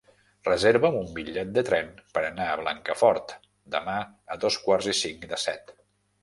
Reserva'm un bitllet de tren per anar a Blancafort demà a dos quarts i cinc de set.